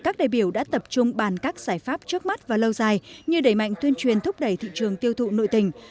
các đại biểu đã tập trung bàn các giải pháp trước mắt và lâu dài như đẩy mạnh tuyên truyền thúc đẩy thị trường tiêu thụ nội tỉnh